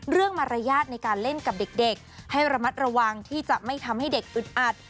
มารยาทในการเล่นกับเด็กให้ระมัดระวังที่จะไม่ทำให้เด็กอึดอัด